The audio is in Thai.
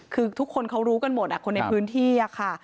คือทุกคนเขารู้กันหมดคนในพื้นที่ค่ะ